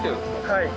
はい。